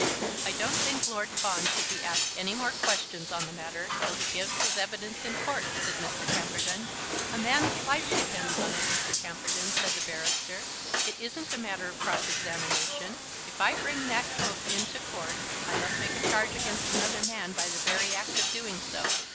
"I don't think Lord Fawn should be asked any more questions on the matter till he gives his evidence in court," said Mr. Camperdown. "A man's life depends on it, Mr. Camperdown," said the barrister. "It isn't a matter of cross examination. If I bring that coat into court I must make a charge against another man by the very act of doing so.